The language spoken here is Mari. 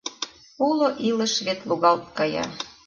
— Уло илыш вет лугалт кая.